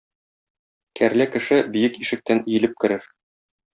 Кәрлә кеше биек ишектән иелеп керер.